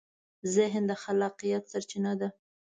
ذهن د خلاقیت سرچینه ده.